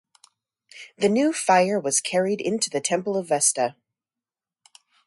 The new fire was carried into the temple of Vesta.